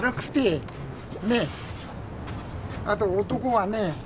あと男はね